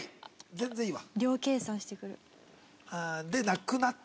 全然いいわ。